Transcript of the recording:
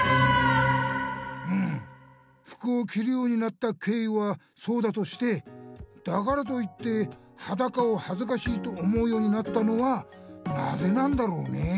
うん服をきるようになったけいいはそうだとしてだからといってはだかをはずかしいと思うようになったのはなぜなんだろうね？